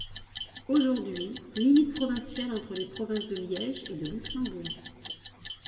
Aujourd'hui, limite provinciale entre les provinces de Liège et de Luxembourg.